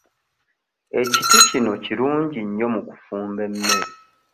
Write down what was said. Ekiti kino kirungi nnyo mu kufumba emmere.